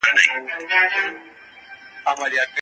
کله باید ومنو چي تېروتني د ژوند یوه برخه ده؟